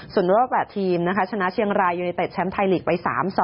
ส่วนรอบ๘ทีมนะคะชนะเชียงรายยูเนเต็ดแชมป์ไทยลีกไป๓๒